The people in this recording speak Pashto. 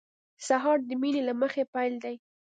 سهار د مینې له مخې پیل دی.